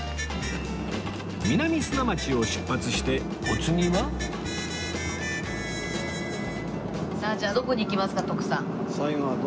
南砂町を出発してお次はさあじゃあどこに行きますか？